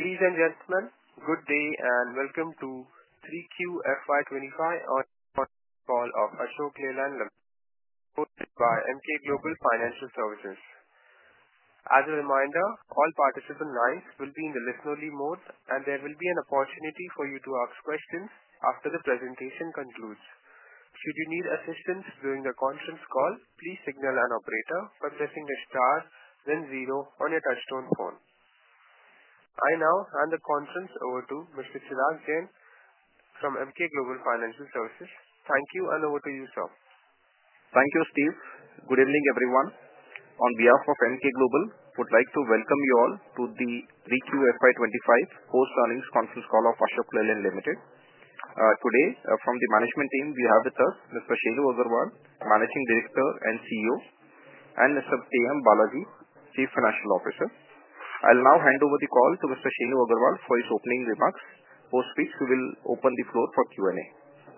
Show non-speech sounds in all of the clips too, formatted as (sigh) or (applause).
Ladies and gentlemen, good day, and welcome to Q3FY25 Earnings Conference Call of Ashok Leyland Limited, hosted by Emkay Global Financial Services. As a reminder, all participant lines will be in the listen-only mode, and there will be an opportunity for you to ask questions after the presentation concludes. Should you need assistance during the conference call, please signal an operator by pressing the star then zero on your touch-tone phone. I now hand the conference over to Mr. Chirag Jain from Emkay Global Financial Services. Thank you, and over to you, sir. Thank you, Steve. Good evening, everyone. On behalf of Emkay Global, I would like to welcome you all to the Q3FY25 Post Earnings Conference Call of Ashok Leyland Limited. Today, from the management team, we have with us Mr. Shenu Agarwal, Managing Director and CEO, and Mr. K. M. Balaji, Chief Financial Officer. I'll now hand over the call to Mr. Shenu Agarwal for his opening remarks, post which we will open the floor for Q&A.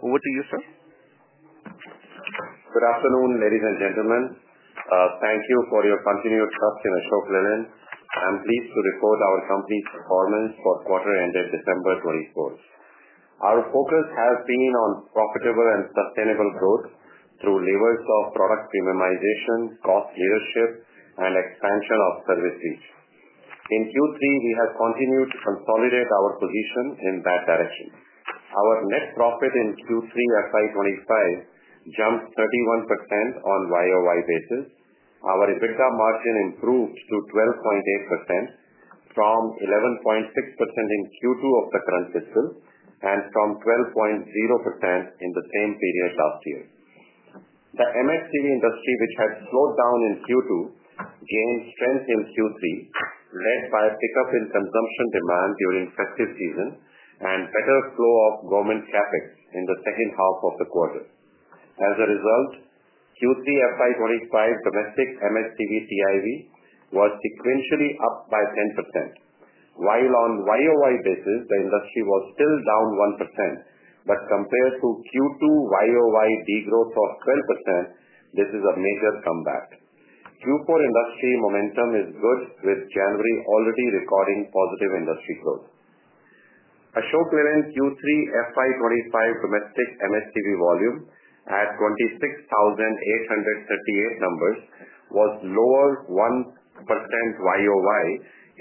Over to you, sir. Good afternoon, ladies and gentlemen. Thank you for your continued trust in Ashok Leyland. I'm pleased to report our company's performance for quarter-ending December 2024. Our focus has been on profitable and sustainable growth through levers of product premiumization, cost leadership, and expansion of service reach. In Q3, we have continued to consolidate our position in that direction. Our net profit in Q3 FY25 jumped 31% on YoY basis. Our EBITDA margin improved to 12.8% from 11.6% in Q2 of the current fiscal and from 12.0% in the same period last year. The M&HCV industry, which had slowed down in Q2, gained strength in Q3, led by a pickup in consumption demand during festive season and better flow of government Capex in the second half of the quarter. As a result, Q3 FY25 domestic MSTV TIV was sequentially up by 10%, while on YoY basis, the industry was still down 1%, but compared to Q2 YoY degrowth of 12%, this is a major comeback. Q4 industry momentum is good, with January already recording positive industry growth. Ashok Leyland Q3 FY25 domestic MSTV volume at 26,838 numbers was lower 1% YoY,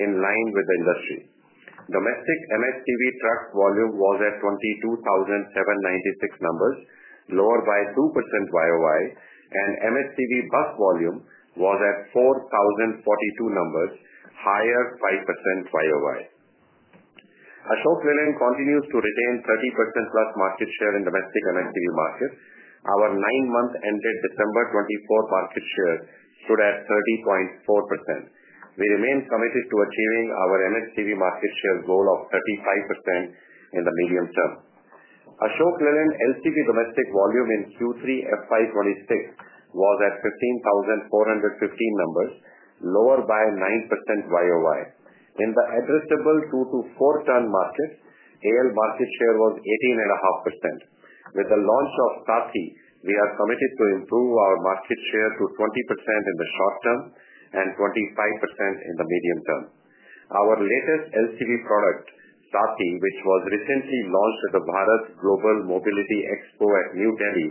in line with the industry. Domestic MSTV truck volume was at 22,796 numbers, lower by 2% YoY, and MSTV bus volume was at 4,042 numbers, higher by 5% YoY. Ashok Leyland continues to retain 30% plus market share in domestic MSTV market. Our nine-month-ending December 2024 market share stood at 30.4%. We remain committed to achieving our MSTV market share goal of 35% in the medium term. Ashok Leyland LTV domestic volume in Q3 FY26 was at 15,415 numbers, lower by 9% YoY. In the addressable two to four-ton market, AL market share was 18.5%. With the launch of SATHI, we are committed to improve our market share to 20% in the short term and 25% in the medium term. Our latest LTV product, SATHI, which was recently launched at the Bharat Global Mobility Expo at New Delhi,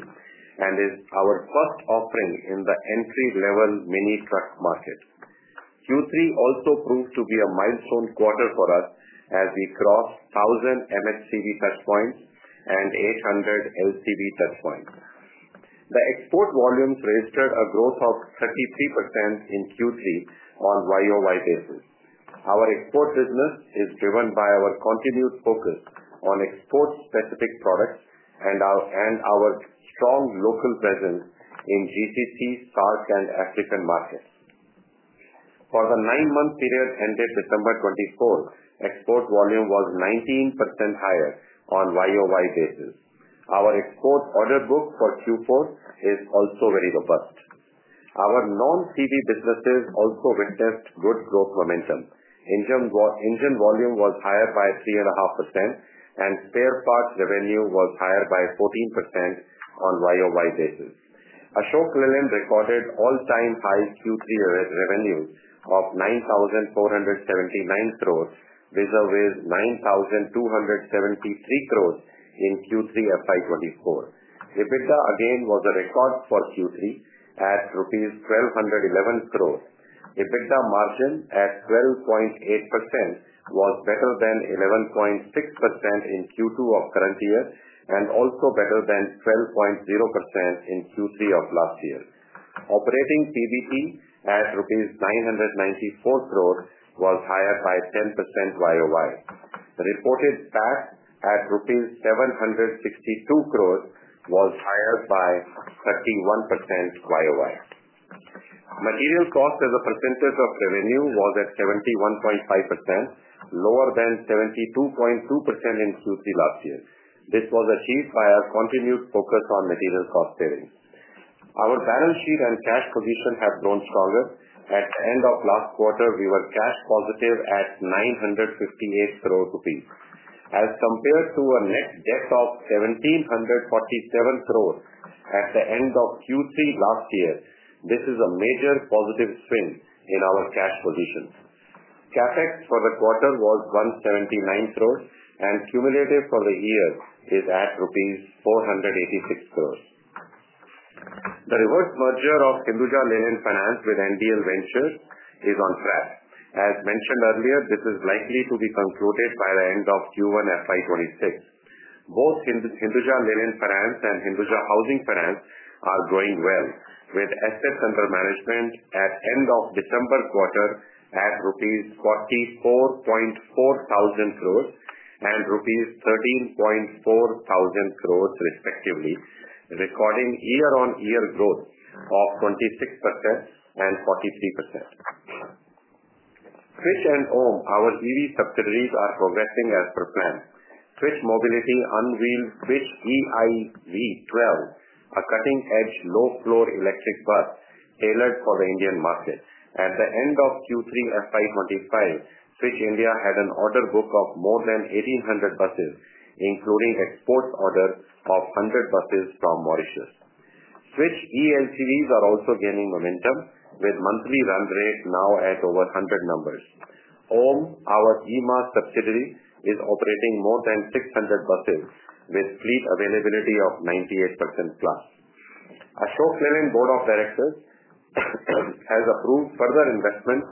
is our first offering in the entry-level mini truck market. Q3 also proved to be a milestone quarter for us as we crossed 1,000 MSTV touchpoints and 800 LTV touchpoints. The export volumes registered a growth of 33% in Q3 on YoY basis. Our export business is driven by our continued focus on export-specific products and our strong local presence in GCC, SAARC, and African markets. For the nine-month period ending December 2024, export volume was 19% higher on YoY basis. Our export order book for Q4 is also very robust. Our non-CV businesses also witnessed good growth momentum. Engine volume was higher by 3.5%, and spare parts revenue was higher by 14% on YoY basis. Ashok Leyland recorded all-time high Q3 revenues of 9,479 crores, which are worth 9,273 crores in Q3 FY24. EBITDA again was a record for Q3 at INR 1,211 crores. EBITDA margin at 12.8% was better than 11.6% in Q2 of current year and also better than 12.0% in Q3 of last year. Operating PBT at 994 crores rupees was higher by 10% YoY. Reported PAT at rupees 762 crores was higher by 31% YoY. Material cost as a percentage of revenue was at 71.5%, lower than 72.2% in Q3 last year. This was achieved by our continued focus on material cost savings. Our balance sheet and cash position have grown stronger. At the end of last quarter, we were cash positive at 958 crores rupees. As compared to a net debt of 1,747 crores at the end of Q3 last year, this is a major positive swing in our cash position. CapEx for the quarter was 179 crores, and cumulative for the year is at rupees 486 crores. The reverse merger of Hinduja Leyland Finance with NDL Ventures is on track. As mentioned earlier, this is likely to be concluded by the end of Q1 FY26. Both Hinduja Leyland Finance and Hinduja Housing Finance are growing well, with asset under management at end of December quarter at rupees 44,000 crores and rupees 13,400 crores, respectively, recording year-on-year growth of 26% and 43%. Switch and OHM, our EV subsidiaries, are progressing as per plan. Switch Mobility unveiled Switch EiV 12, a cutting-edge low-floor electric bus tailored for the Indian market. At the end of Q3 FY25, Switch India had an order book of more than 1,800 buses, including export orders of 100 buses from Mauritius. Switch eLCVs are also gaining momentum, with monthly run rate now at over 100 numbers. OHM, our EMaaS subsidiary, is operating more than 600 buses, with fleet availability of 98% plus. Ashok Leyland Board of Directors has approved further investment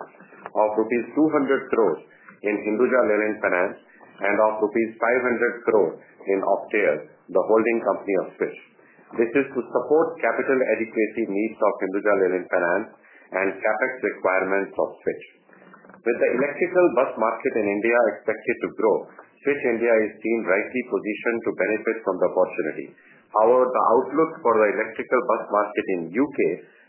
of rupees 200 crores in Hinduja Leyland Finance and of rupees 500 crores in Optare, the holding company of Switch. This is to support capital adequacy needs of Hinduja Leyland Finance and Capex requirements of Switch. With the electrical bus market in India expected to grow, Switch India is deemed rightly positioned to benefit from the opportunity. However, the outlook for the electrical bus market in the UK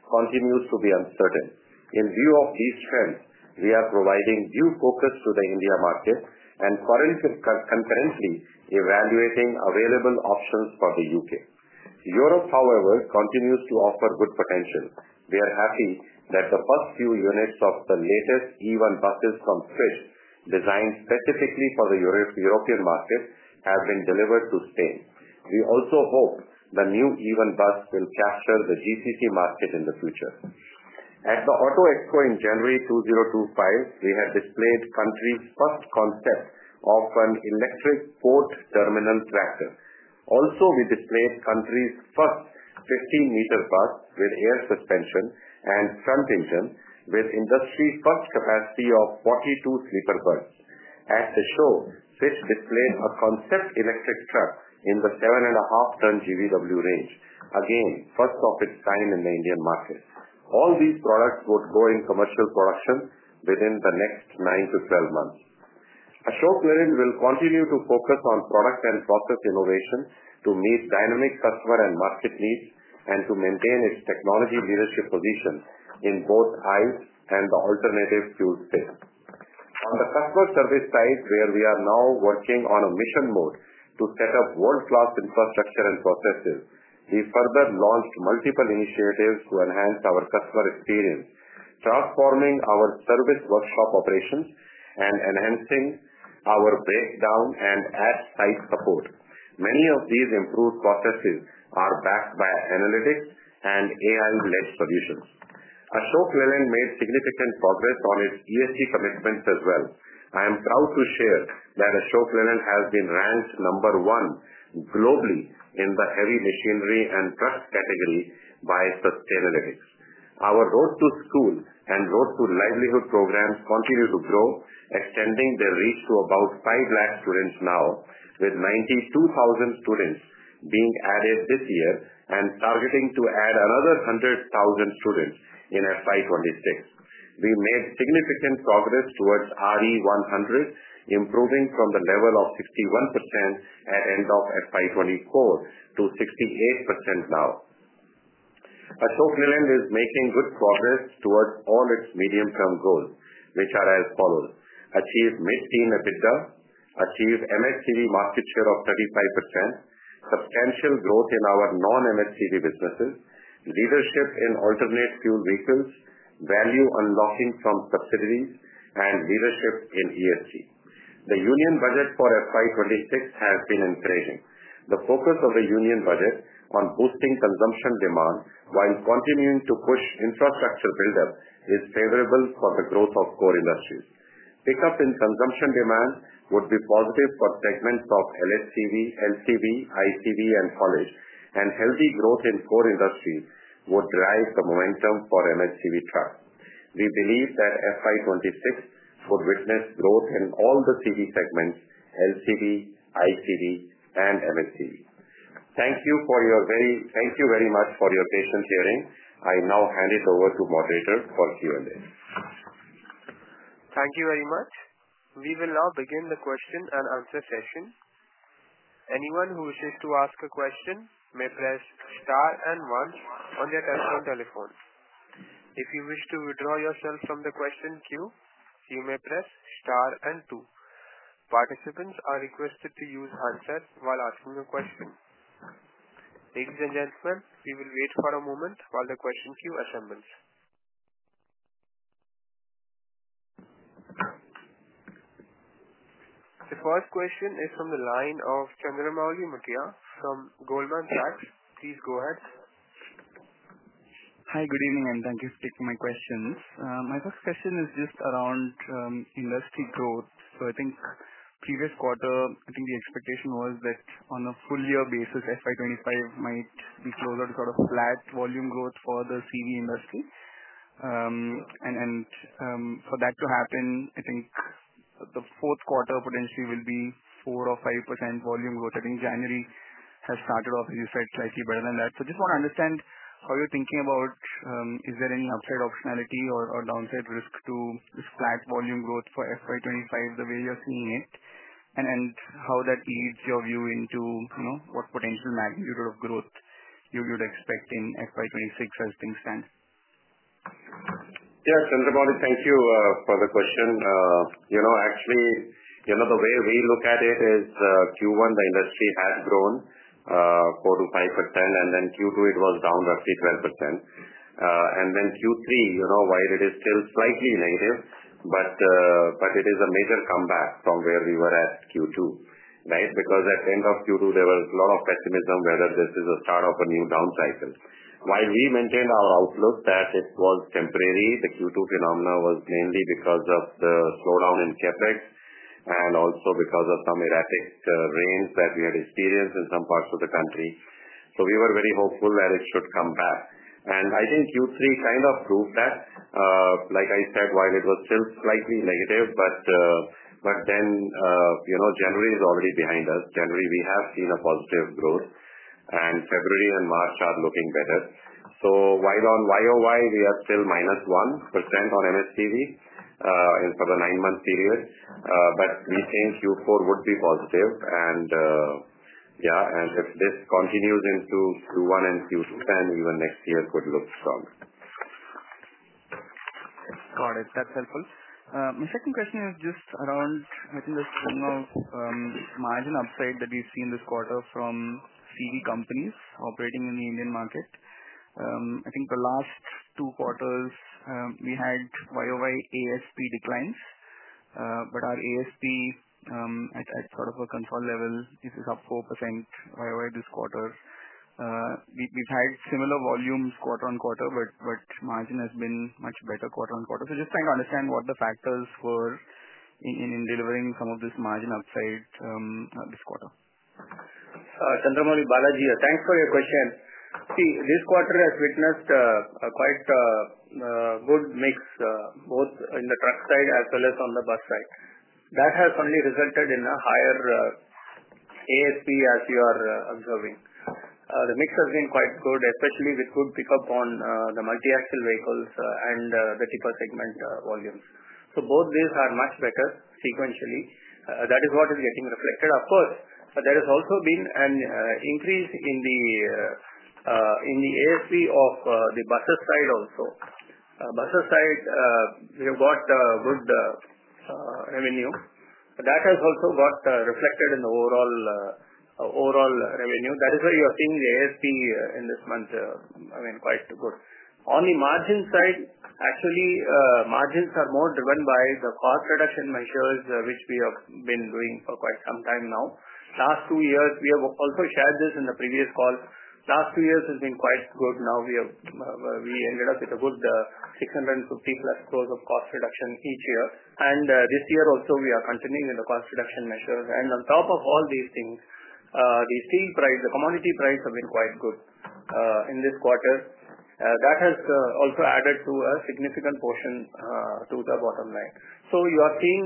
continues to be uncertain. In view of these trends, we are providing due focus to the India market and concurrently evaluating available options for the UK. Europe, however, continues to offer good potential. We are happy that the first few units of the latest e1 buses from Switch, designed specifically for the European market, have been delivered to Spain. We also hope the new e1 bus will capture the GCC market in the future. At the Auto Expo in January 2025, we had displayed the country's first concept of an electric port terminal tractor. Also, we displayed the country's first 15-meter bus with air suspension and front engine, with industry-first capacity of 42 sleeper berths. At the show, Switch displayed a concept electric truck in the 7.5-ton GVW range, again first of its kind in the Indian market. All these products would go into commercial production within the next nine to 12 months. Ashok Leyland will continue to focus on product and process innovation to meet dynamic customer and market needs and to maintain its technology leadership position in both ICE and the alternative fuel space. On the customer service side, where we are now working on a mission mode to set up world-class infrastructure and processes, we further launched multiple initiatives to enhance our customer experience, transforming our service workshop operations and enhancing our breakdown and on-site support. Many of these improved processes are backed by analytics and AI-led solutions. Ashok Leyland made significant progress on its ESG commitments as well. I am proud to share that Ashok Leyland has been ranked number one globally in the heavy machinery and truck category by Sustainalytics. Our Road to School and Road to Livelihood programs continue to grow, extending their reach to about 5 lakh students now, with 92,000 students being added this year and targeting to add another 100,000 students in FY26. We made significant progress towards Re100, improving from the level of 61% at the end of FY24 to 68% now. Ashok Leyland is making good progress towards all its medium-term goals, which are as follows: achieve mid-teens EBITDA, achieve M&HCV market share of 35%, substantial growth in our non-M&HCV businesses, leadership in alternate fuel vehicles, value unlocking from subsidiaries, and leadership in ESG. The Union Budget for FY26 has been encouraging. The focus of the Union Budget on boosting consumption demand while continuing to push infrastructure buildup is favorable for the growth of core industries. Pickup in consumption demand would be positive for segments of LCV, LTV, ICV, and HCV, and healthy growth in core industries would drive the momentum for M&HCV trucks. We believe that FY26 would witness growth in all the CV segments: LTV, ICV, and M&HCV. Thank you very much for your patience. I now hand it over to the moderator for Q&A. Thank you very much. We will now begin the question and answer session. Anyone who wishes to ask a question may press star and one on their touchscreen telephone. If you wish to withdraw yourself from the question queue, you may press star and two. Participants are requested to use handsets while asking a question. Ladies and gentlemen, we will wait for a moment while the question queue assembles. The first question is from the line of Chandramouli Muthiah from Goldman Sachs. Please go ahead. Hi, good evening, and thank you for taking my questions. My first question is just around industry growth. So I think previous quarter, I think the expectation was that on a full-year basis, FY25 might be closer to sort of flat volume growth for the CV industry. And for that to happen, I think the Q4 potentially will be 4% or 5% volume growth. I think January has started off, as you said, slightly better than that. So I just want to understand how you're thinking about, is there any upside optionality or downside risk to this flat volume growth for FY25 the way you're seeing it, and how that leads your view into what potential magnitude of growth you would expect in FY26 as things stand? Yes, Chandramouli, thank you for the question. Actually, the way we look at it is Q1, the industry had grown 4%-5%, and then Q2 it was down roughly 12%. And then Q3, while it is still slightly negative, but it is a major comeback from where we were at Q2, right? Because at the end of Q2, there was a lot of pessimism whether this is the start of a new down cycle. While we maintained our outlook that it was temporary, the Q2 phenomena was mainly because of the slowdown in CapEx and also because of some erratic rains that we had experienced in some parts of the country. So we were very hopeful that it should come back. And I think Q3 kind of proved that. Like I said, while it was still slightly negative, but then January is already behind us. January, we have seen a positive growth, and February and March are looking better. So while on YoY, we are still minus 1% on M&HCV TIV for the nine-month period, but we think Q4 would be positive, and yeah, and if this continues into Q1 and Q2, then even next year could look strong. Got it. That's helpful. My second question is just around, I think, the margin upside that we've seen this quarter from CV companies operating in the Indian market. I think the last two quarters, we had YoY ASP declines, but our ASP at sort of a consolidated level is up 4% YoY this quarter. We've had similar volumes quarter on quarter, but margin has been much better quarter on quarter. So just trying to understand what the factors were in delivering some of this margin upside this quarter. Chandramouli, thanks for your question. See, this quarter has witnessed quite a good mix, both in the truck side as well as on the bus side. That has only resulted in a higher ASP, as you are observing. The mix has been quite good, especially with good pickup on the multi-axle vehicles and the cheaper segment volumes. So both these are much better sequentially. That is what is getting reflected. Of course, there has also been an increase in the ASP of the buses side also. Buses side, we have got good revenue. That has also got reflected in the overall revenue. That is why you are seeing the ASP in this month, I mean, quite good. On the margin side, actually, margins are more driven by the cost reduction measures, which we have been doing for quite some time now. Last two years, we have also shared this in the previous call. Last two years has been quite good. Now we ended up with a good 650-plus crores of cost reduction each year. And this year also, we are continuing with the cost reduction measures. And on top of all these things, the steel price, the commodity price has been quite good in this quarter. That has also added to a significant portion to the bottom line, so you are seeing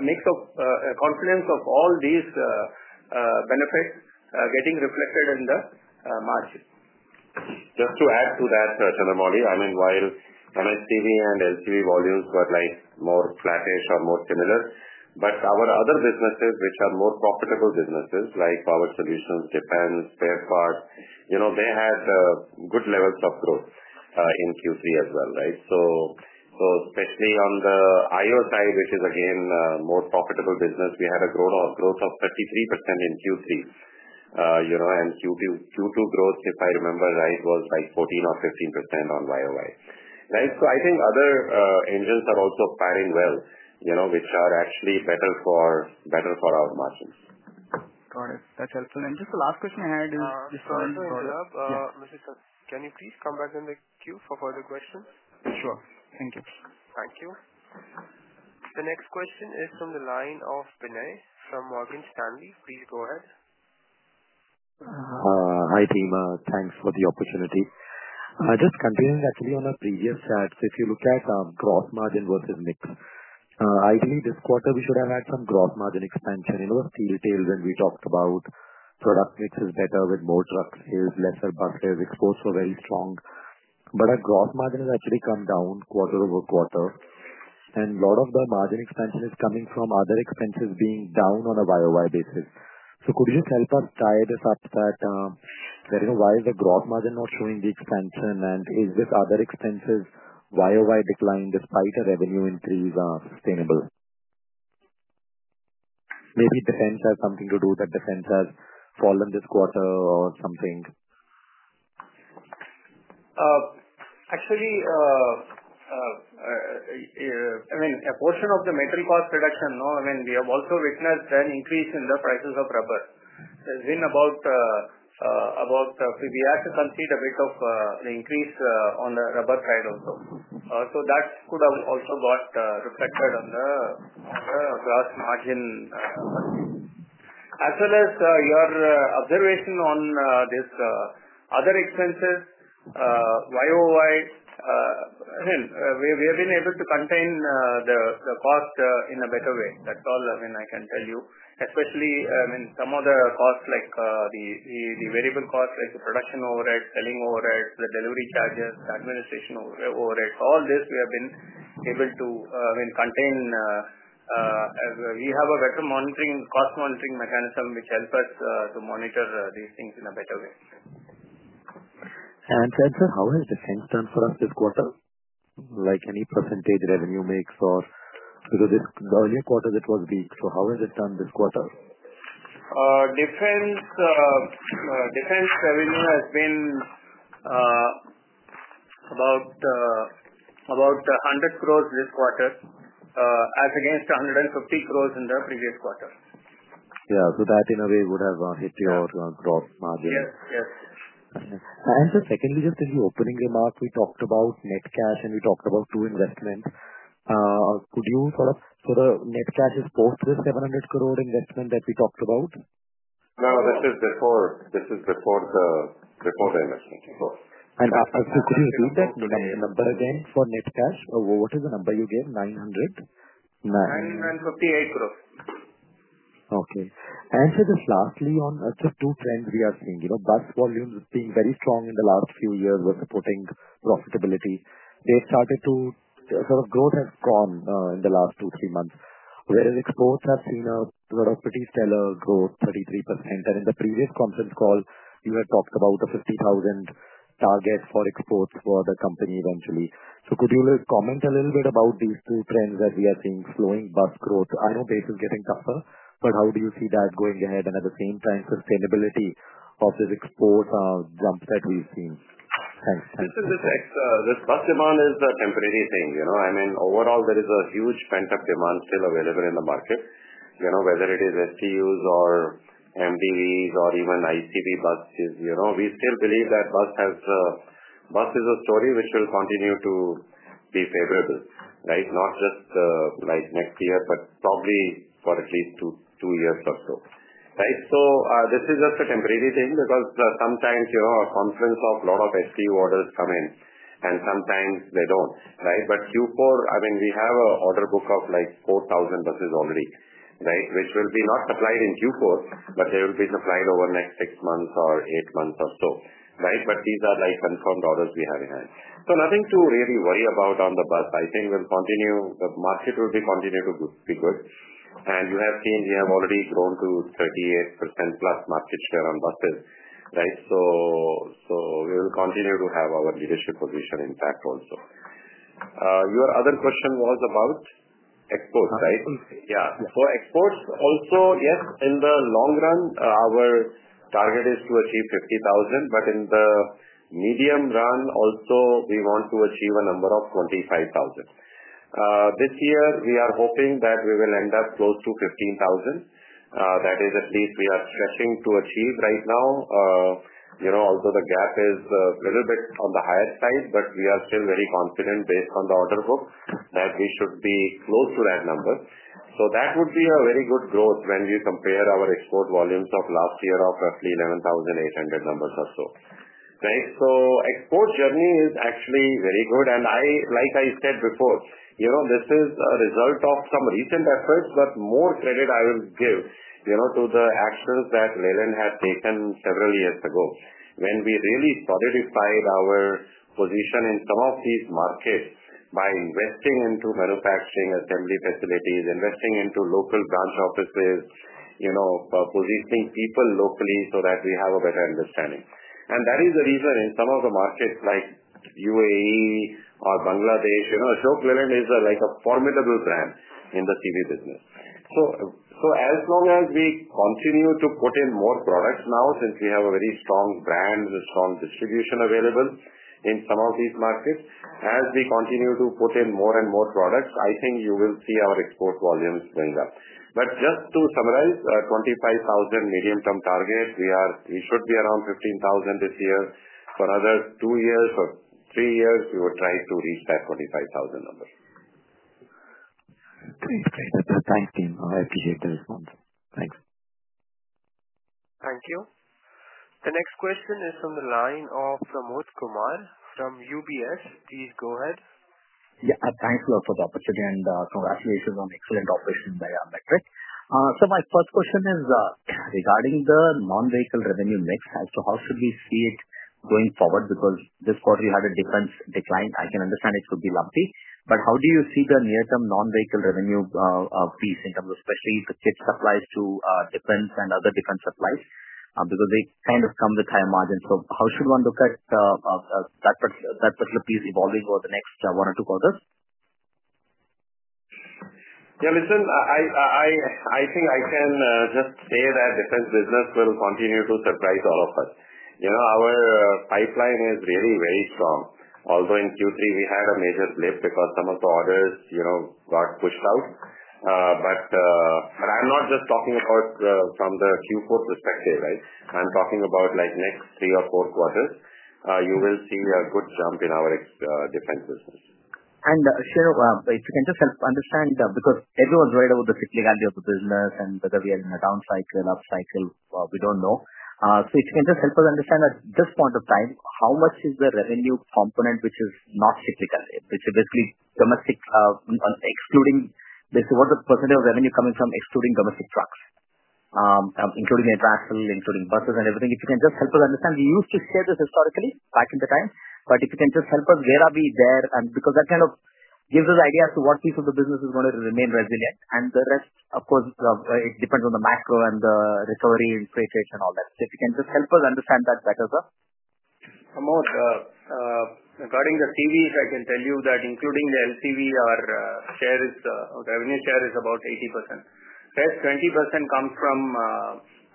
a mix of confidence of all these benefits getting reflected in the margin. Just to add to that, Chandramouli, I mean, while M&HCV and LCV volumes were more flattish or more similar, but our other businesses, which are more profitable businesses like Power Solutions, Defence, Spare Parts, they had good levels of growth in Q3 as well, right? So especially on the IO side, which is again a more profitable business, we had a growth of 33% in Q3. And Q2 growth, if I remember right, was like 14% or 15% on YoY. Right? So I think other engines are also firing well, which are actually better for our margins. Got it. That's helpful. And just the last question I had is just on. Can you please come back in the queue for further questions? Sure. Thank you. Thank you. The next question is from the line of Binay from Morgan Stanley. Please go ahead. Hi, team. Thanks for the opportunity. Just continuing, actually, on a previous chat. So if you look at gross margin versus mix, ideally, this quarter, we should have had some gross margin expansion. Steel tailwinds, and we talked about product mixes better with more truck sales, lesser bus sales, exports were very strong. But our gross margin has actually come down quarter over quarter. And a lot of the margin expansion is coming from other expenses being down on a YoY basis. So could you just help us tie this up that why is the gross margin not showing the expansion, and is this other expenses YoY declined despite the revenue increase sustainable? Maybe defense has something to do that defense has fallen this quarter or something. Actually, I mean, a portion of the metal cost reduction. I mean, we have also witnessed an increase in the prices of rubber. It's been about. We had to concede a bit of the increase on the rubber side also. So that could have also got reflected on the gross margin. As well as your observation on these other expenses YoY, I mean, we have been able to contain the cost in a better way. That's all I can tell you. Especially, I mean, some of the costs like the variable costs, like the production overhead, selling overhead, the delivery charges, the administration overhead. So all this, we have been able to, I mean, contain. We have a better cost monitoring mechanism, which helps us to monitor these things in a better way. Chandra, how has defense done for us this quarter? Like any percentage revenue mix or because the earlier quarter, it was weak, so how has it done this quarter? Defense revenue has been about 100 crores this quarter, as against 150 crores in the previous quarter. Yeah. So that, in a way, would have hit your gross margin. Yes. Yes. Secondly, just in the opening remark, we talked about net cash, and we talked about two investments. Could you sort of, so the net cash is post this 700 crore investment that we talked about? No, this is before the investment. And so could you repeat that number again for net cash? What is the number you gave? 900? 958 crores. Okay. And so just lastly, on just two trends we are seeing. Bus volumes being very strong in the last few years were supporting profitability. They've started to sort of, growth has gone in the last two, three months, whereas exports have seen a pretty stellar growth, 33%. And in the previous conference call, you had talked about a 50,000 target for exports for the company eventually. So could you comment a little bit about these two trends that we are seeing? Slowing bus growth. I know base is getting tougher, but how do you see that going ahead? And at the same time, sustainability of this export jump that we've seen. Thanks. This bus demand is a temporary thing. I mean, overall, there is a huge pent-up demand still available in the market. Whether it is STUs or MDVs or even ICV buses, we still believe that bus is a story which will continue to be favorable, right? Not just like next year, but probably for at least two years or so. Right? So this is just a temporary thing because sometimes a confluence of a lot of STU orders come in, and sometimes they don't. Right? But Q4, I mean, we have an order book of like 4,000 buses already, right? Which will be not supplied in Q4, but they will be supplied over the next six months or eight months or so. Right? But these are confirmed orders we have in hand. So nothing to really worry about on the bus. I think we'll continue. The market will continue to be good. And you have seen we have already grown to 38% plus market share on buses. Right? So we will continue to have our leadership position intact also. Your other question was about exports, right? Yeah. So exports also, yes, in the long run, our target is to achieve 50,000. But in the medium run, also, we want to achieve a number of 25,000. This year, we are hoping that we will end up close to 15,000. That is at least we are stretching to achieve right now. Although the gap is a little bit on the higher side, but we are still very confident based on the order book that we should be close to that number. So that would be a very good growth when you compare our export volumes of last year of roughly 11,800 numbers or so. Right? So export journey is actually very good. And like I said before, this is a result of some recent efforts, but more credit I will give to the actions that Leyland had taken several years ago when we really solidified our position in some of these markets by investing into manufacturing assembly facilities, investing into local branch offices, positioning people locally so that we have a better understanding. And that is the reason in some of the markets like UAE or Bangladesh, Ashok Leyland is like a formidable brand in the CV business. So as long as we continue to put in more products now, since we have a very strong brand and strong distribution available in some of these markets, as we continue to put in more and more products, I think you will see our export volumes going up. But just to summarize, 25,000 medium-term target, we should be around 15,000 this year. For another two years or three years, we will try to reach that 25,000 number. Great. Great. Thanks, team. I appreciate the response. Thanks. Thank you. The next question is from the line of Pramod Kumar from UBS. Please go ahead. Yeah. Thanks a lot for the opportunity and congratulations on excellent operations by Ashok Leyland. My first question is regarding the non-vehicle revenue mix. How should we see it going forward? Because this quarter, you had a defense decline. I can understand it could be lumpy, but how do you see the near-term non-vehicle revenue piece in terms of especially the kit supplies to defense and other defense supplies? Because they kind of come with higher margins. How should one look at that particular piece evolving over the next one or two quarters? Yeah. Listen, I think I can just say that defense business will continue to surprise all of us. Our pipeline is really very strong. Although in Q3, we had a major blip because some of the orders got pushed out. But I'm not just talking about from the Q4 perspective, right? I'm talking about like next three or four quarters, you will see a good jump in our defense business. And, Shenu, if you can just help understand because everyone's worried about the cyclicality of the business and whether we are in a down cycle, up cycle, we don't know. So if you can just help us understand at this point of time, how much is the revenue component which is not cyclical, which is basically domestic excluding basically what's the percentage of revenue coming from excluding domestic trucks, including international, including buses and everything? If you can just help us understand. We used to share this historically back in the time. But if you can just help us, where are we there? And because that kind of gives us idea as to what piece of the business is going to remain resilient. And the rest, of course, it depends on the macro and the recovery and inflation and all that. So if you can just help us understand that better as well. Pramod, regarding the CVs, I can tell you that including the LCV, our revenue share is about 80%. Rest, 20% comes from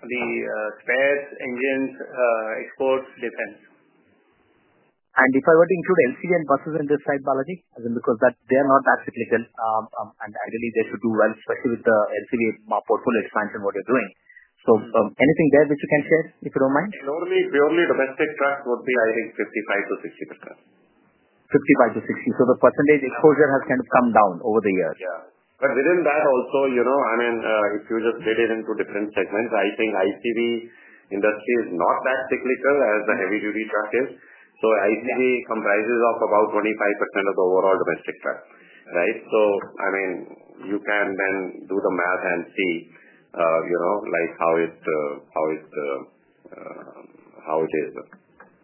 the spares, engines, exports, defense. And if I were to include LCV and buses in this side, Balaji, I mean, because they are not that cyclical, and ideally, they should do well, especially with the LCV portfolio expansion, what you're doing. So anything there which you can share, if you don't mind? Purely domestic trucks would be, I think, 55% to 60%. 55% to 60%. So the percentage exposure has kind of come down over the years. Yeah, but within that also, I mean, if you just split it into different segments, I think ICV industry is not that cyclical as the heavy-duty truck is. So ICV comprises of about 25% of the overall domestic trucks. Right? So I mean, you can then do the math and see how it is.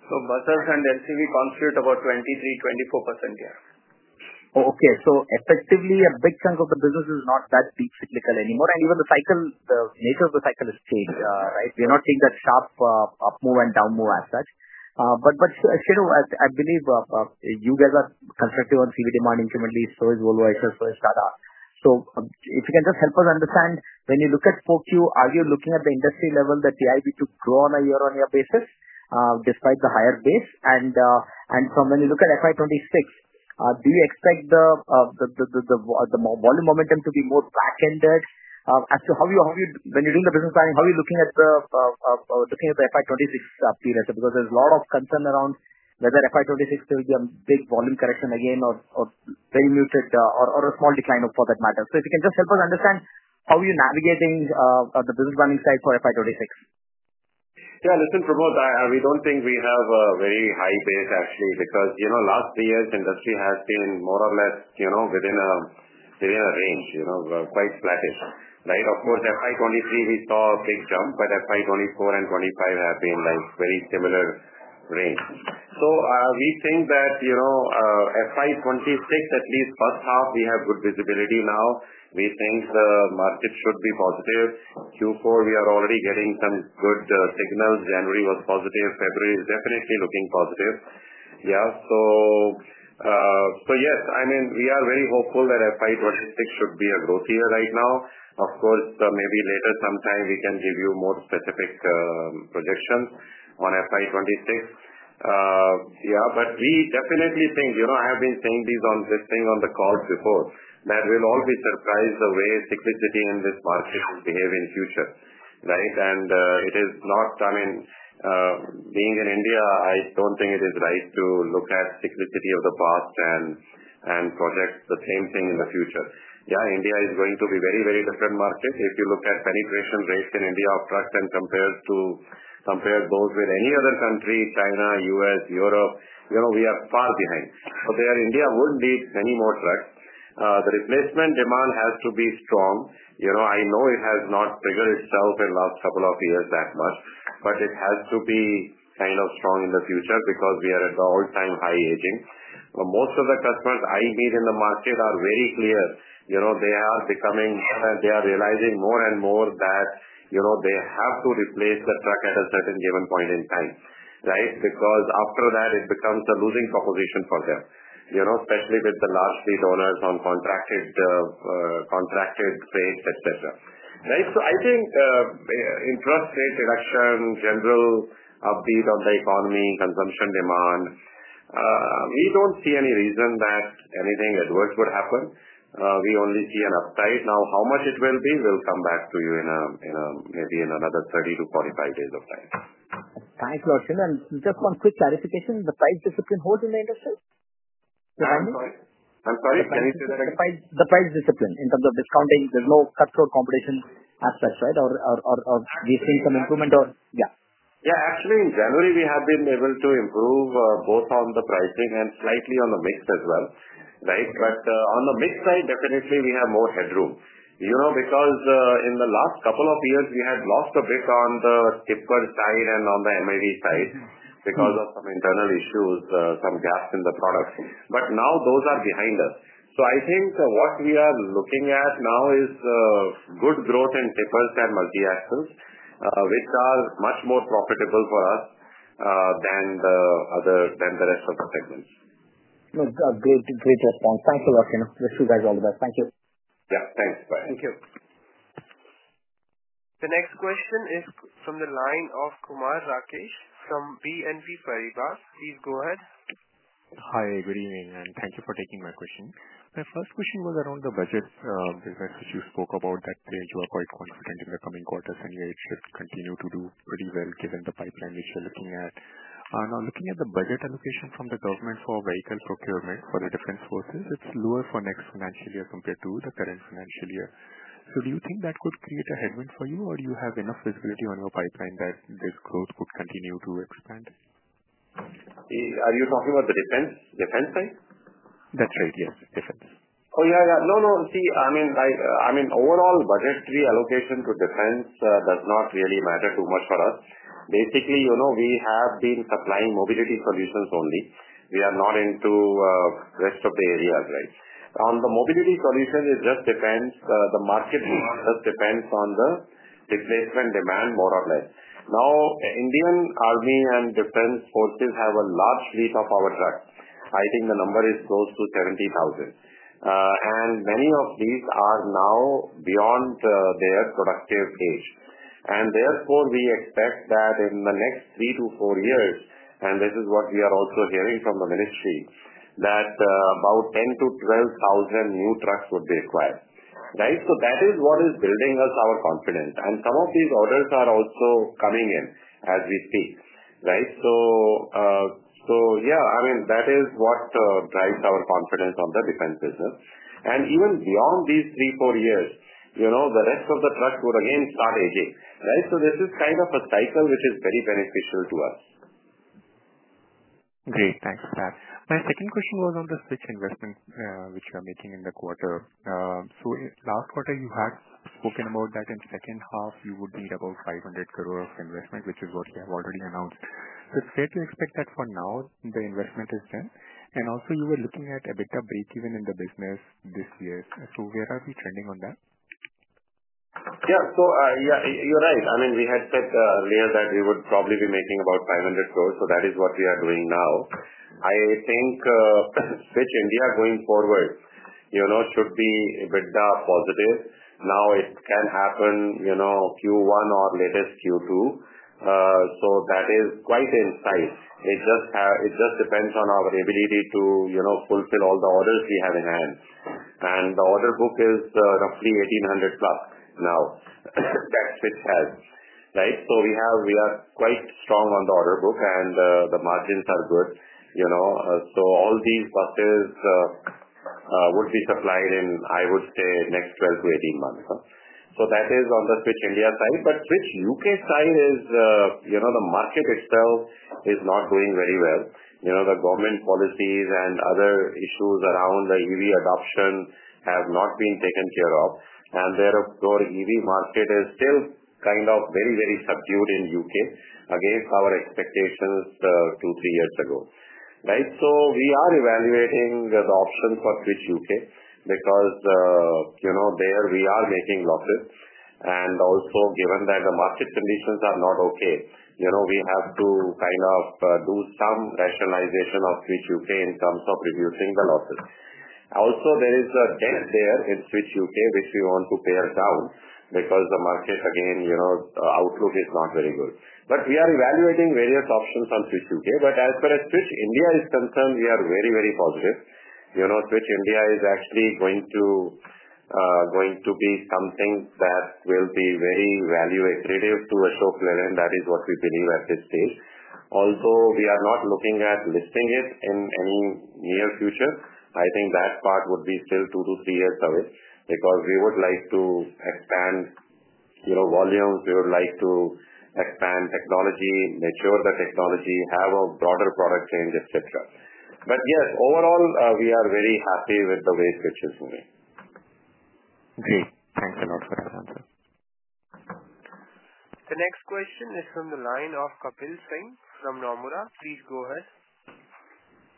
So buses and LCV constitute about 23% to 24%, yeah. Okay. So effectively, a big chunk of the business is not that deep cyclical anymore. And even the cycle, the nature of the cycle has changed, right? We are not seeing that sharp up move and down move as such. But Shenu, I believe you guys are constructive on CV demand incrementally, so is Volvo Eicher, so is Tata. So if you can just help us understand, when you look at Q4, are you looking at the industry level, the TIV to grow on a year-on-year basis despite the higher base? And from when you look at FY26, do you expect the volume momentum to be more back-ended? When you're doing the business planning, how are you looking at the FY26 period? Because there's a lot of concern around whether FY26 will be a big volume correction again or very muted or a small decline for that matter. So if you can just help us understand how you're navigating the business planning side for FY26? Yeah. Listen, Pramod, we don't think we have a very high base, actually, because last three years, industry has been more or less within a range, quite flattish. Right? Of course, FY23, we saw a big jump, but FY24 and FY25 have been very similar range. So we think that FY26, at least first half, we have good visibility now. We think the market should be positive. Q4, we are already getting some good signals. January was positive. February is definitely looking positive. Yeah. So yes, I mean, we are very hopeful that FY26 should be a growth year right now. Of course, maybe later sometime, we can give you more specific projections on FY26. Yeah. But we definitely think I have been saying this on this thing on the call before, that we'll all be surprised the way cyclicity in this market will behave in future. Right? It is not, I mean, being in India, I don't think it is right to look at cyclicality of the past and project the same thing in the future. Yeah. India is going to be a very, very different market. If you look at penetration rates in India of trucks and compare those with any other country, China, U.S., Europe, we are far behind. So there, India would need many more trucks. The replacement demand has to be strong. I know it has not triggered itself in the last couple of years that much, but it has to be kind of strong in the future because we are at the all-time high aging. Most of the customers I meet in the market are very clear. They are realizing more and more that they have to replace the truck at a certain given point in time. Right? Because after that, it becomes a losing proposition for them, especially with the large fleet owners on contracted freight, etc. Right? So I think interest rate reduction, general upbeat on the economy, consumption demand, we don't see any reason that anything adverse would happen. We only see an upside. Now, how much it will be, we'll come back to you maybe in another 30 to 45 days of time. Thanks, and just one quick clarification. The price discipline holds in the industry? The timing? I'm sorry. Can you say that again? The price discipline in terms of discounting, there's no cut-throat competition aspects, right? Or we've seen some improvement or yeah. Yeah. Actually, in January, we have been able to improve both on the pricing and slightly on the mix as well. Right? But on the mix side, definitely, we have more headroom. Because in the last couple of years, we had lost a bit on the tipper side and on the M&H side because of some internal issues, some gaps in the products. But now, those are behind us. So I think what we are looking at now is good growth in tippers and multi-axles, which are much more profitable for us than the rest of the segments. No, great response. Thanks a lot, Shenu. Wish you guys all the best. Thank you. Yeah. Thanks. Bye. Thank you. The next question is from the line of Kumar Rakesh from BNP Paribas. Please go ahead. Hi. Good evening, and thank you for taking my question. My first question was around the defense business, which you spoke about that you are quite confident in the coming quarters, and it should continue to do pretty well given the pipeline which you're looking at. Now, looking at the budget allocation from the government for vehicle procurement for the defense forces, it's lower for next financial year compared to the current financial year. So do you think that could create a headwind for you, or do you have enough visibility on your pipeline that this growth could continue to expand? Are you talking about the defense side? That's right. Yes, defense. Oh, yeah, yeah. No, no. See, I mean, overall, budgetary allocation to defense does not really matter too much for us. Basically, we have been supplying mobility solutions only. We are not into rest of the areas, right? On the mobility solution, it just depends. The market just depends on the replacement demand, more or less. Now, Indian Army and Defense Forces have a large fleet of our trucks. I think the number is close to 70,000. And many of these are now beyond their productive age. And therefore, we expect that in the next three to four years, and this is what we are also hearing from the ministry, that about 10,000-12,000 new trucks would be acquired. Right? So that is what is building us our confidence. And some of these orders are also coming in as we speak. Right? So yeah, I mean, that is what drives our confidence on the defense business. And even beyond these three, four years, the rest of the trucks will again start aging. Right? So this is kind of a cycle which is very beneficial to us. Great. Thanks for that. My second question was on the Switch investment which you are making in the quarter. So last quarter, you had spoken about that in second half, you would need about 500 crore of investment, which is what you have already announced. So it's fair to expect that for now, the investment is done. And also, you were looking at a bit of break-even in the business this year. So where are we trending on that? Yeah. So yeah, you're right. I mean, we had said earlier that we would probably be making about 500 crore. So that is what we are doing now. I think Switch India going forward should be a bit positive. Now, it can happen Q1 or latest Q2. So that is quite in sight. It just depends on our ability to fulfill all the orders we have in hand. And the order book is roughly 1,800 plus now that Switch has. Right? So we are quite strong on the order book, and the margins are good. So all these buses would be supplied in, I would say, next 12 to 18 months. So that is on the Switch India side. But Switch UK side, the market itself is not doing very well. The government policies and other issues around the EV adoption have not been taken care of. Therefore, EV market is still kind of very, very subdued in U.K. against our expectations two, three years ago. Right? So we are evaluating the option for Switch UK because there we are making losses. And also, given that the market conditions are not okay, we have to kind of do some rationalization of Switch UK in terms of reducing the losses. Also, there is a debt there in Switch UK which we want to pare down because the market, again, outlook is not very good. But we are evaluating various options on Switch UK. But as far as Switch India is concerned, we are very, very positive. Switch India is actually going to be something that will be very value-accretive to Ashok Leyland. That is what we believe at this stage. Although we are not looking at listing it in any near future, I think that part would be still two to three years away because we would like to expand volumes. We would like to expand technology, mature the technology, have a broader product range, etc. But yes, overall, we are very happy with the way Switch is moving. Great. Thanks a lot for that answer. The next question is from the line of Kapil Singh from Nomura. Please go ahead.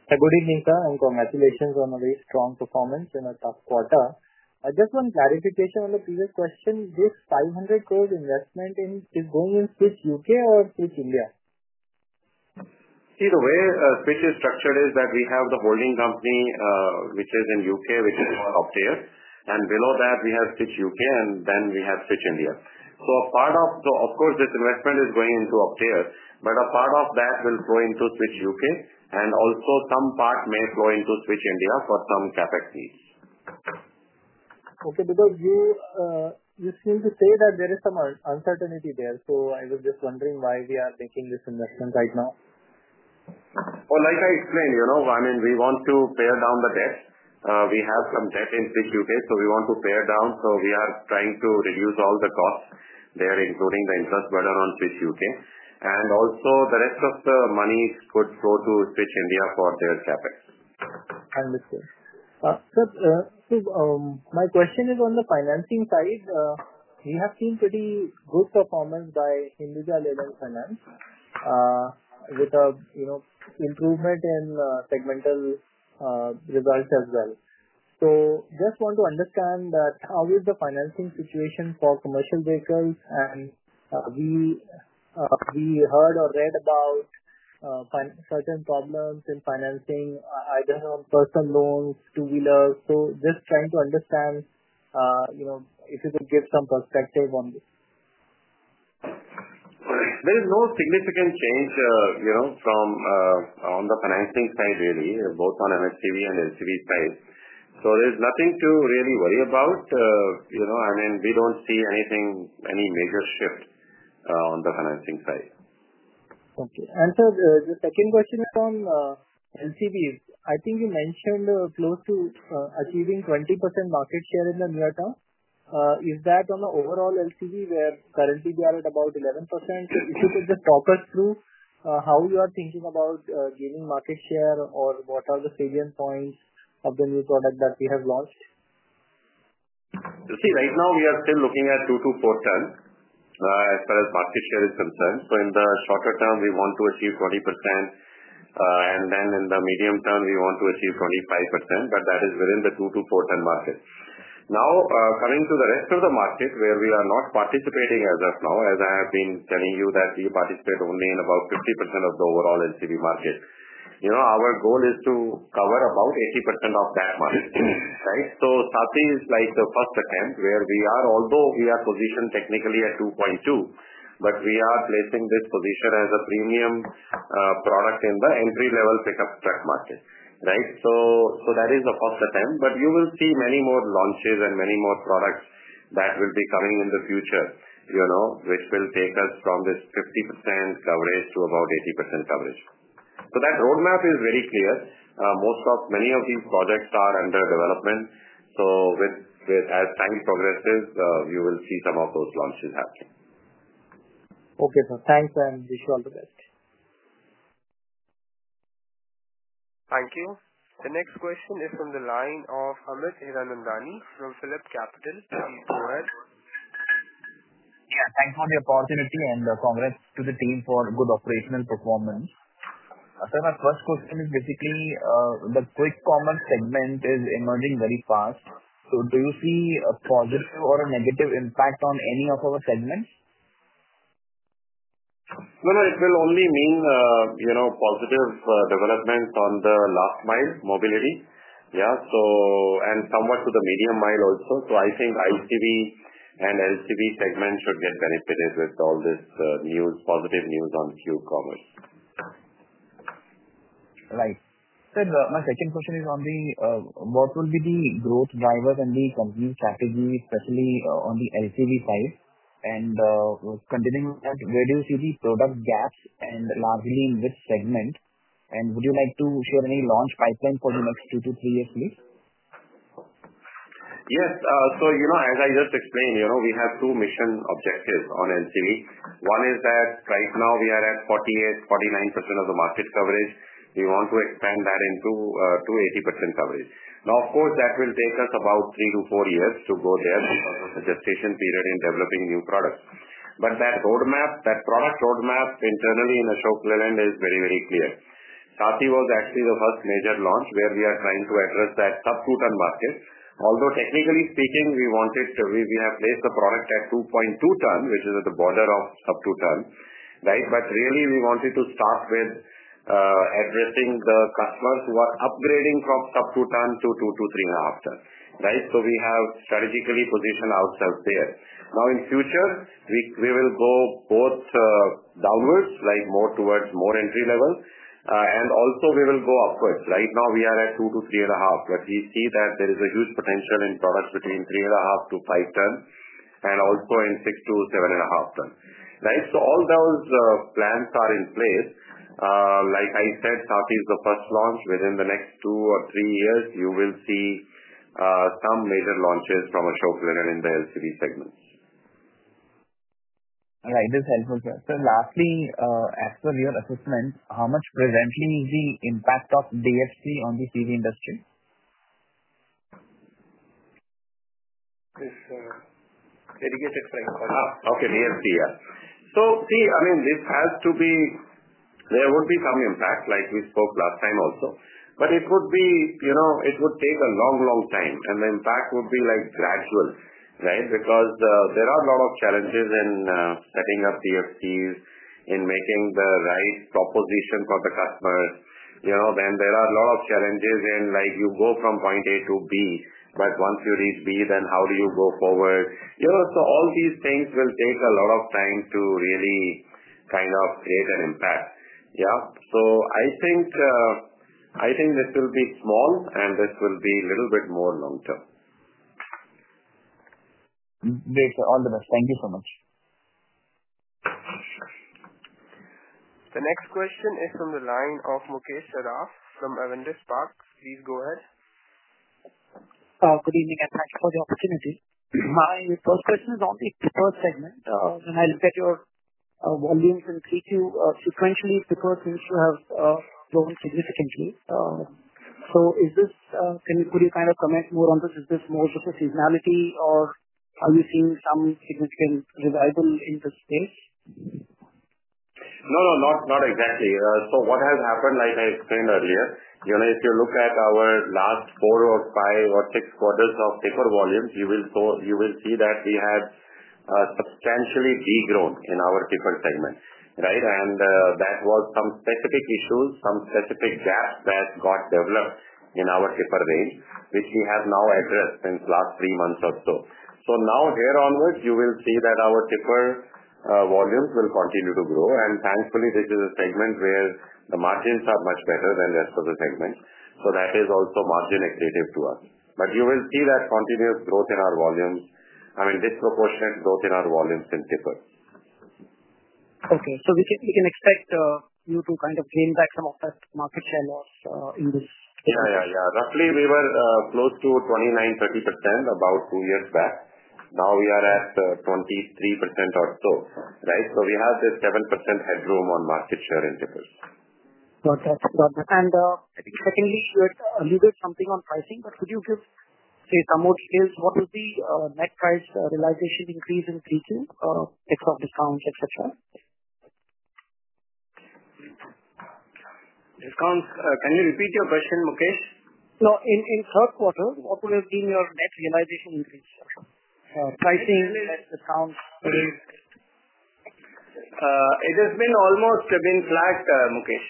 Good evening, sir. And congratulations on a very strong performance in a tough quarter. I just want clarification on the previous question. This 500 crore investment is going in Switch UK or Switch India? See, the way Switch is structured is that we have the holding company which is in U.K., which is called Optare. And below that, we have Switch UK, and then we have Switch India. So a part of the, of course, this investment is going into Optare, but a part of that will flow into Switch UK. And also, some part may flow into Switch India for some Capex needs. Okay. Because you seem to say that there is some uncertainty there. So I was just wondering why we are making this investment right now? Like I explained, I mean, we want to pare down the debt. We have some debt in Switch UK, so we want to pare down. We are trying to reduce all the costs there, including the interest burden on Switch UK. Also, the rest of the money could flow to Switch India for their CapEx. Understood. Sir, my question is on the financing side. We have seen pretty good performance by Hinduja Leyland Finance with an improvement in segmental results as well. So just want to understand that how is the financing situation for commercial vehicles? And we heard or read about certain problems in financing, either on personal loans, two-wheelers. So just trying to understand if you could give some perspective on this. There is no significant change on the financing side, really, both on MSCV and LCV side. So there's nothing to really worry about. I mean, we don't see anything, any major shift on the financing side. Okay. And sir, the second question is on LCVs. I think you mentioned close to achieving 20% market share in the near term. Is that on the overall LCV where currently we are at about 11%? If you could just talk us through how you are thinking about gaining market share or what are the salient points of the new product that we have launched? See, right now, we are still looking at two to four tons as far as market share is concerned, so in the shorter term, we want to achieve 20%. And then in the medium term, we want to achieve 25%, but that is within the two to four ton market. Now, coming to the rest of the market where we are not participating as of now, as I have been telling you that we participate only in about 50% of the overall LCV market, our goal is to cover about 80% of that market, right? So SATI is like the first attempt where we are, although we are positioned technically at 2.2, but we are placing this position as a premium product in the entry-level pickup truck market, right? So that is the first attempt. But you will see many more launches and many more products that will be coming in the future, which will take us from this 50% coverage to about 80% coverage. So that roadmap is very clear. Many of these projects are under development. So as time progresses, you will see some of those launches happen. Okay, sir. Thanks, and wish you all the best. Thank you. The next question is from the line of Amit Hiranandani from PhillipCapital. Please go ahead. Yeah. Thanks for the opportunity and congrats to the team for good operational performance. Sir, my first question is basically the quick commerce segment is emerging very fast. So do you see a positive or a negative impact on any of our segments? No, no. It will only mean positive developments on the last mile, mobility. Yeah. And somewhat to the medium mile also. So I think ICV and LCV segment should get benefited with all this positive news on Q-commerce. Right. Sir, my second question is on what will be the growth drivers and the company strategy, especially on the LCV side? And continuing on, where do you see the product gaps and largely in which segment? And would you like to share any launch pipeline for the next two to three years, please? Yes. As I just explained, we have two mission objectives on LCV. One is that right now, we are at 48-49% of the market coverage. We want to expand that into 80% coverage. Now, of course, that will take us about three to four years to go there because of the gestation period in developing new products. But that product roadmap internally in Ashok Leyland is very, very clear. SAATHI was actually the first major launch where we are trying to address that sub-2 ton market. Although technically speaking, we have placed the product at 2.2 ton, which is at the border of sub-2 ton. Right? But really, we wanted to start with addressing the customers who are upgrading from sub-2 ton to two to three and a half ton. Right? So we have strategically positioned ourselves there. Now, in future, we will go both downwards, like more towards more entry level, and also, we will go upwards. Right now, we are at two to three and a half, but we see that there is a huge potential in products between three and a half to five tons and also in six to seven and a half ton, right, so all those plans are in place. Like I said, Stallion is the first launch. Within the next two or three years, you will see some major launches from Ashok Leyland in the LCV segments. Right. This is helpful, sir. Sir, lastly, as per your assessment, how much presently is the impact of DFC on the CV industry? Please, sir. (inaudible) Okay. DFC, yeah. So see, I mean, this has to be there would be some impact, like we spoke last time also. But it would take a long, long time. And the impact would be gradual, right, because there are a lot of challenges in setting up DFCs, in making the right proposition for the customers. Then there are a lot of challenges in you go from point A to B. But once you reach B, then how do you go forward? So all these things will take a lot of time to really kind of create an impact. Yeah. So I think this will be small, and this will be a little bit more long term. Great. All the best. Thank you so much. The next question is from the line of Mukesh Saraf from Avendus Spark. Please go ahead. Good evening and thank you for the opportunity. My first question is on the pickup segment. When I look at your volumes in Q2, sequentially, pickup seems to have grown significantly. So could you kind of comment more on this? Is this more just a seasonality, or are you seeing some significant revival in this space? No, no. Not exactly. So what has happened, like I explained earlier, if you look at our last four or five or six quarters of pickup volumes, you will see that we have substantially degrown in our pickup segment. Right? And that was some specific issues, some specific gaps that got developed in our pickup range, which we have now addressed since last three months or so. So now, here onwards, you will see that our pickup volumes will continue to grow. And thankfully, this is a segment where the margins are much better than the rest of the segment. So that is also margin-accretive to us. But you will see that continuous growth in our volumes, I mean, disproportionate growth in our volumes in pickup. Okay. So we can expect you to kind of gain back some of that market share loss in this segment. Yeah, yeah, yeah. Roughly, we were close to 29%-30% about two years back. Now, we are at 23% or so. Right? So we have this 7% headroom on market share in pickups. Got that. Got that. And secondly, you had alluded something on pricing, but could you give, say, some more details? What will be net price realization increase in Q2, except discounts, etc.? Discounts? Can you repeat your question, Mukesh? No. In Q3, what would have been your net realization increase? Pricing, discounts, rates? It has almost been flat, Mukesh.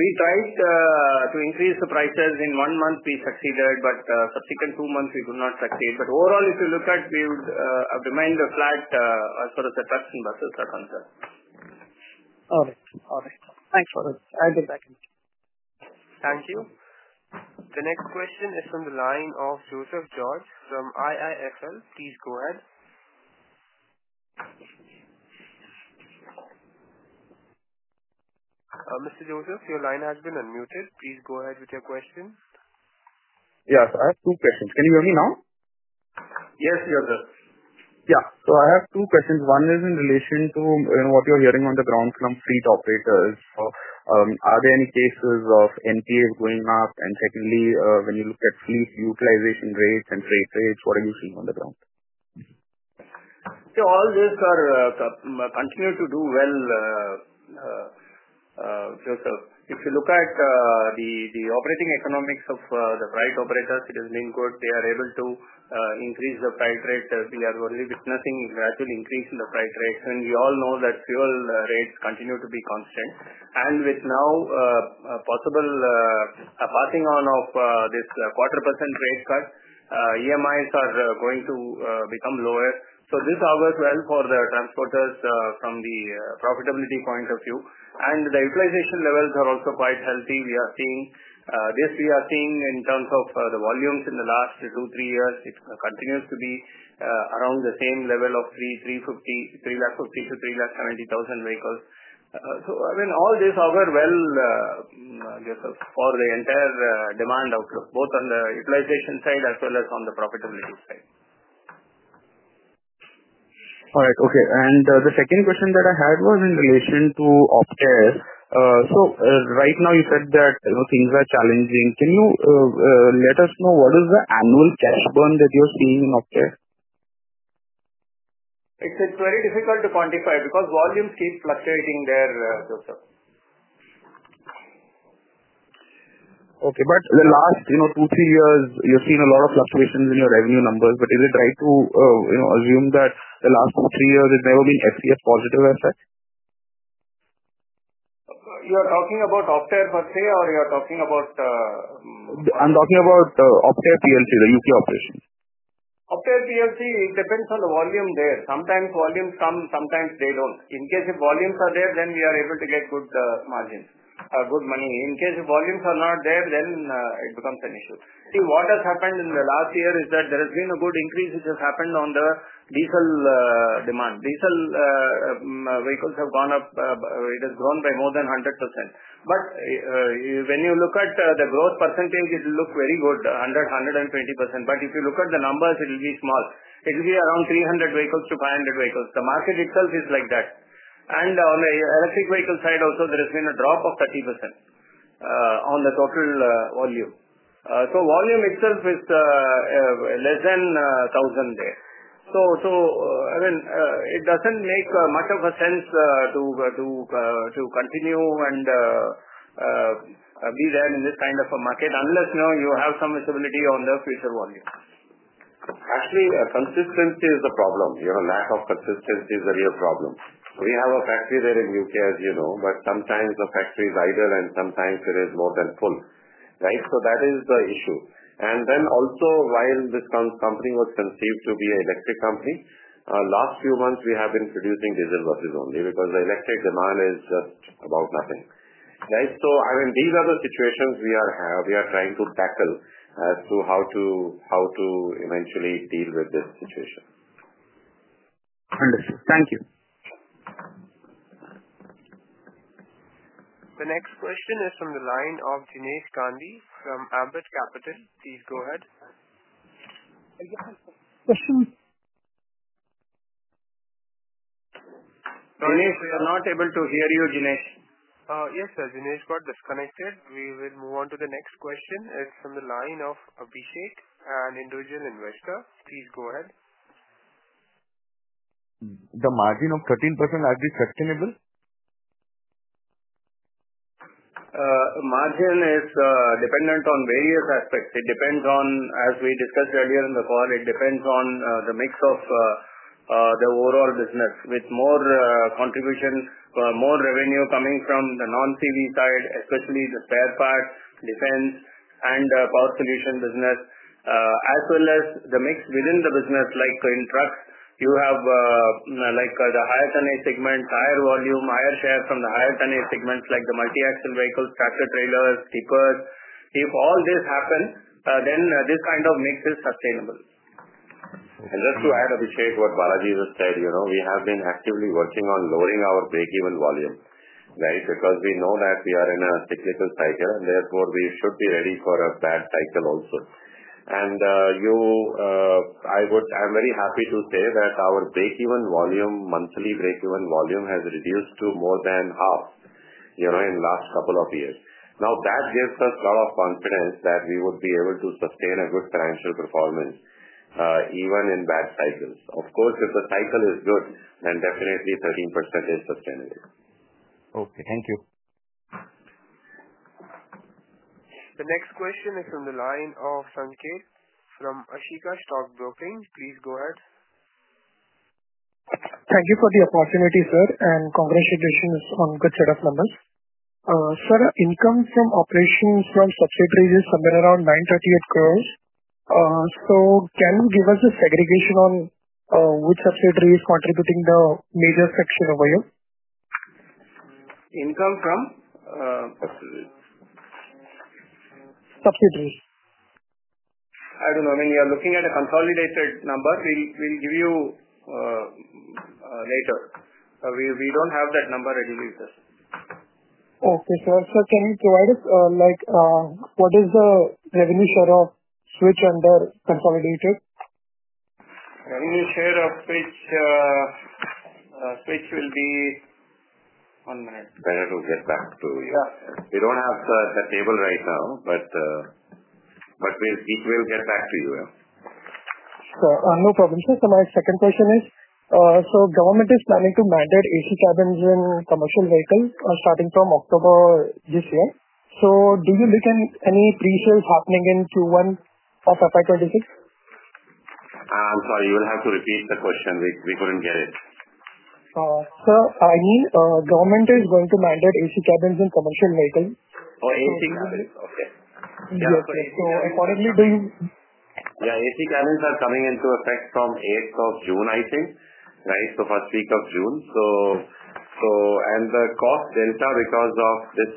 We tried to increase the prices in one month. We succeeded, but subsequent two months, we could not succeed. But overall, if you look at, we have remained flat as far as the trucks and buses are concerned. All right. All right. Thanks for that. I'll be back in. Thank you. The next question is from the line of Joseph George from IIFL. Please go ahead. Mr. Joseph, your line has been unmuted. Please go ahead with your question. Yes. I have two questions. Can you hear me now? Yes, Joseph. Yeah. So I have two questions. One is in relation to what you're hearing on the ground from fleet operators. Are there any cases of NPAs going up? And secondly, when you look at fleet utilization rates and freight rates, what are you seeing on the ground? Yeah. All these continue to do well, Joseph. If you look at the operating economics of the freight operators, it has been good. They are able to increase the freight rate. We are only witnessing a gradual increase in the freight rates. And we all know that fuel rates continue to be constant. And with now a possible passing on of this quarter percent rate cut, EMIs are going to become lower. So this bodes well for the transporters from the profitability point of view. And the utilization levels are also quite healthy. This we are seeing in terms of the volumes in the last two, three years. It continues to be around the same level of 350,000 to 370,000 vehicles. So I mean, all this bodes well, Joseph, for the entire demand outlook, both on the utilization side as well as on the profitability side. All right. Okay, and the second question that I had was in relation to Optare. So right now, you said that things are challenging. Can you let us know what is the annual cash burn that you're seeing in Optare? It's very difficult to quantify because volumes keep fluctuating there, Joseph. Okay. But the last two, three years, you've seen a lot of fluctuations in your revenue numbers. But is it right to assume that the last two, three years has never been FCF positive as such? You are talking about Optare, per se, or you are talking about? I'm talking about Optare PLC, the UK operation. Optare PLC, it depends on the volume there. Sometimes volumes come, sometimes they don't. In case if volumes are there, then we are able to get good margins, good money. In case if volumes are not there, then it becomes an issue. See, what has happened in the last year is that there has been a good increase which has happened on the diesel demand. Diesel vehicles have gone up. It has grown by more than 100%. But when you look at the growth percentage, it will look very good, 120%. But if you look at the numbers, it will be small. It will be around 300 to 500 vehicles. The market itself is like that. And on the electric vehicle side also, there has been a drop of 30% on the total volume. So volume itself is less than 1,000 there. So I mean, it doesn't make much of a sense to continue and be there in this kind of a market unless you have some visibility on the future volume. Actually, consistency is the problem. Lack of consistency is a real problem. We have a factory there in U.K., as you know, but sometimes the factory is idle, and sometimes it is more than full. Right? So that is the issue. And then also, while this company was conceived to be an electric company, last few months, we have been producing diesel buses only because the electric demand is just about nothing. Right? So I mean, these are the situations we are trying to tackle as to how to eventually deal with this situation. Understood. Thank you. The next question is from the line of Jinesh Gandhi from Ambit Capital. Please go ahead. Question. Jinesh, we are not able to hear you, Jinesh. Yes, sir. Jinesh got disconnected. We will move on to the next question. It's from the line of Abhishek, an individual investor. Please go ahead. The margin of 13%, is this sustainable? Margin is dependent on various aspects. As we discussed earlier in the call, it depends on the mix of the overall business with more revenue coming from the non-CV side, especially the spare parts, defense, and power solution business, as well as the mix within the business, like in trucks, you have the higher-tonnage segments, higher volume, higher share from the higher-tonnage segments, like the multi-axle vehicles, tractor trailers, tippers. If all this happens, then this kind of mix is sustainable. And just to add, Abhishek, what Balaji just said, we have been actively working on lowering our break-even volume. Right? Because we know that we are in a cyclical cycle, and therefore, we should be ready for a bad cycle also. And I'm very happy to say that our break-even volume, monthly break-even volume, has reduced to more than half in the last couple of years. Now, that gives us a lot of confidence that we would be able to sustain a good financial performance even in bad cycles. Of course, if the cycle is good, then definitely 13% is sustainable. Okay. Thank you. The next question is from the line of Sanket from Ashika Stock Broking. Please go ahead. Thank you for the opportunity, sir, and congratulations on good set of numbers. Sir, income from operations from subsidiaries is somewhere around INR 938 crores. So can you give us a segregation on which subsidiaries are contributing the major section over here? Income from? Subsidiaries. I don't know. I mean, you are looking at a consolidated number. We'll give you later. We don't have that number readily with us. Okay, sir. Sir, can you provide us what is the revenue share of Switch under consolidated? Revenue share of Switch will be one minute. Better to get back to you. We don't have the table right now, but we will get back to you. Sir, no problem. Sir, my second question is, so government is planning to mandate AC cabins in commercial vehicles starting from October this year. So do you look at any pre-sales happening in Q1 of FY26? I'm sorry. You will have to repeat the question. We couldn't get it. Sir, I mean, government is going to mandate AC cabins in commercial vehicles. Oh, AC cabins? Okay. Yes, sir. So accordingly, do you? Yeah. AC cabins are coming into effect from 8 June, I think. Right? So first week of June. And the cost delta because of this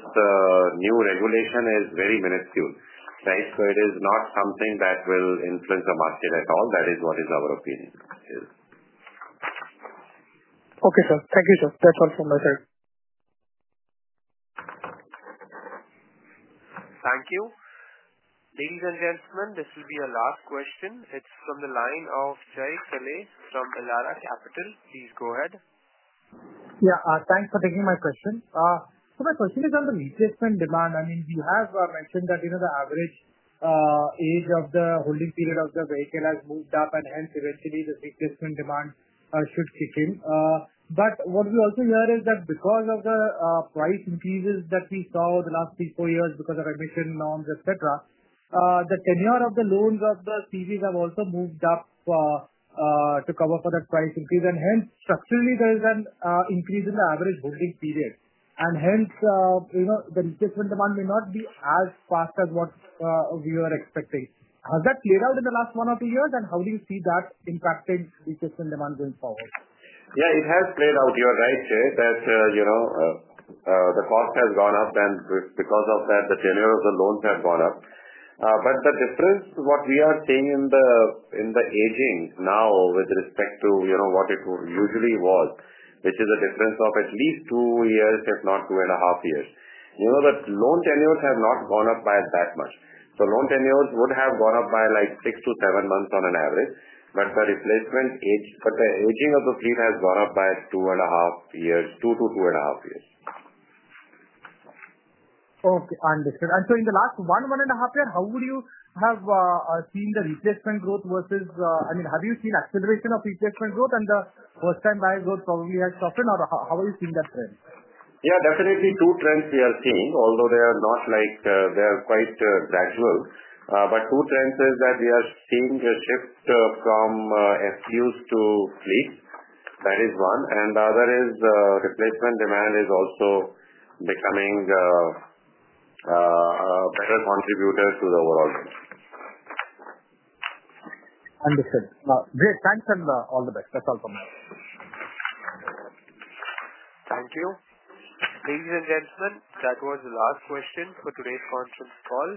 new regulation is very minuscule. Right? So it is not something that will influence the market at all. That is what is our opinion. Okay, sir. Thank you, sir. That's all from my side. Thank you. Ladies and gentlemen, this will be our last question. It's from the line of Jay Kale from Elara Capital. Please go ahead. Yeah. Thanks for taking my question. So my question is on the replacement demand. I mean, we have mentioned that the average age of the holding period of the vehicle has moved up, and hence, eventually, the replacement demand should kick in. But what we also hear is that because of the price increases that we saw over the last three, four years because of emission norms, etc., the tenure of the loans of the CVs have also moved up to cover for that price increase. And hence, structurally, there is an increase in the average holding period. And hence, the replacement demand may not be as fast as what we were expecting. Has that played out in the last one or two years, and how do you see that impacting replacement demand going forward? Yeah. It has played out. You are right, Jay, that the cost has gone up, and because of that, the tenure of the loans have gone up. But the difference, what we are seeing in the aging now with respect to what it usually was, which is a difference of at least two years, if not two and a half years, that loan tenures have not gone up by that much. So loan tenures would have gone up by like six to seven months on an average. But the replacement age, but the aging of the fleet has gone up by two and a half years, two to two and a half years. Okay. Understood. And so in the last one and a half years, how would you have seen the replacement growth versus I mean, have you seen acceleration of replacement growth, and the first-time buyer growth probably has softened, or how are you seeing that trend? Yeah. Definitely, two trends we are seeing, although they are not like they are quite gradual. But two trends is that we are seeing a shift from FUs to fleets. That is one. And the other is replacement demand is also becoming a better contributor to the overall growth. Understood. Great. Thanks, and all the best. That's all from me. Thank you. Ladies and gentlemen, that was the last question for today's conference call.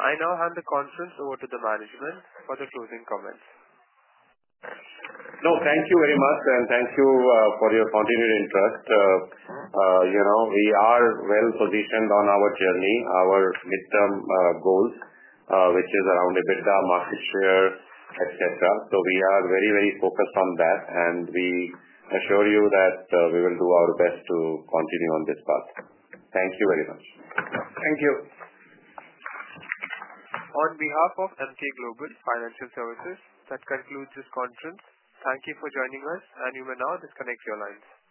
I now hand the conference over to the management for the closing comments. No, thank you very much, and thank you for your continued interest. We are well positioned on our journey, our midterm goals, which is around EBITDA, market share, etc. So we are very, very focused on that, and we assure you that we will do our best to continue on this path. Thank you very much. Thank you. On behalf of Emkay Global Financial Services, that concludes this conference. Thank you for joining us, and you may now disconnect your lines.